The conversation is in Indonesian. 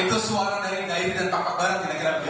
itu suara dari daerah dan pakar barat di negeri kita